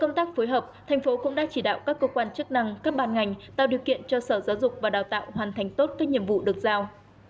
công tác phối hợp thành phố cũng đã chỉ đạo các cơ quan chức năng các bàn ngành tạo điều kiện cho sở giáo dục và đào tạo hoàn thành tốt các nhiệm vụ được giao